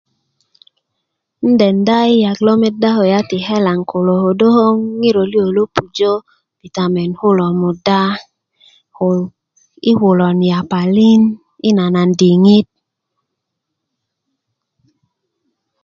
'n denda i yak lo meda kulya ti kelan kulo kodo ko ŋiro liyo lo pujo bitamen kulo muda ko i kulon yapani ko i nanan diŋit